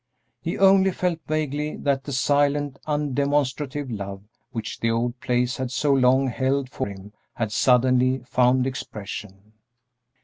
He only felt vaguely that the silent, undemonstrative love which the old place had so long held for him had suddenly found expression.